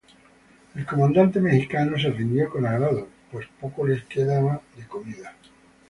El comandante mexicano se rindió con agrado, pues poco les quedaba de comida.